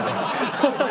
ハハハハ。